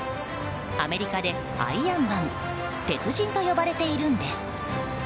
アメリカでアイアンマン鉄人と呼ばれているんです。